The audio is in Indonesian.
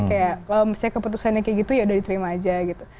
kalau misalnya keputusannya kayak gitu ya udah diterima aja gitu